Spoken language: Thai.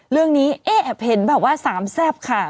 เรื่องนี้เอ๊ะเห็นแบบว่าสามแซ่บค่ะ